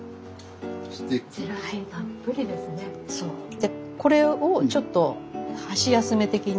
でこれをちょっと箸休め的に。